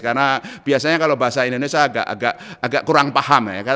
karena biasanya kalau bahasa indonesia agak kurang paham ya